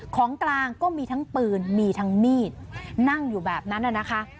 ของกลางก็มีทั้งปืนมีทั้งมีดนั่งอยู่แบบนั้นนะคะ